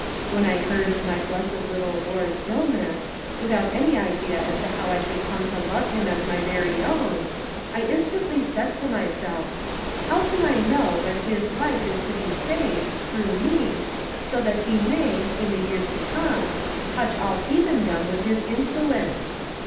When I heard of my blessed little War's illness, without any idea as to how I should 382 The Pocket Measure. come to love him as my very own, I instantly said to myself, ' How can I know but his life is to be saved, through me, so that he may, in the years to come, touch all heathendom with his influence